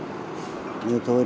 chú ngồi ngồi bình tĩnh nào